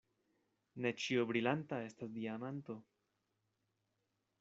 Ne ĉio brilanta estas diamanto.